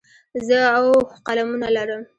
زه اووه قلمونه لرم.